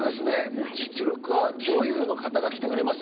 もう実力派女優の方が来てくれます